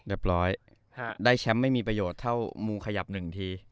ร้อยได้แชมป์ไม่มีประโยชน์เท่ามูขยับหนึ่งที